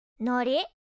のり？